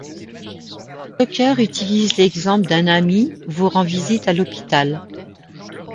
Stocker utilise l'exemple d'un ami vous rend visite à l'hôpital.